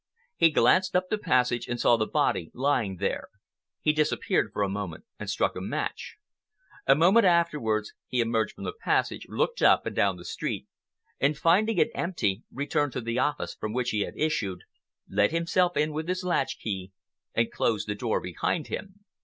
He glanced up the passage and saw the body lying there. He disappeared for a moment and struck a match. A minute afterwards he emerged from the passage, looked up and down the street, and finding it empty returned to the office from which he had issued, let himself in with his latchkey, and closed the door behind him.